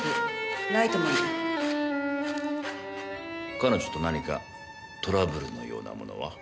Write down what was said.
彼女と何かトラブルのようなものは？